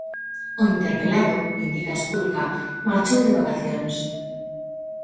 O interpelado, indica Esculca, marchou de vacacións.